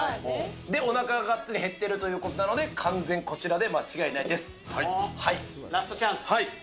で、おなかががっつり減っているということなので、完全、こちらラストチャンス。